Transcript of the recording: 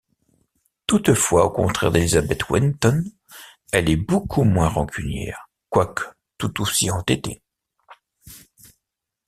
Toutefois, au contraire d'Élisabeth Winton, elle est beaucoup moins rancunière, quoique tout aussi entêtée.